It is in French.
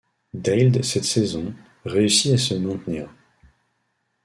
Deild cette saison, réussit à se maintenir.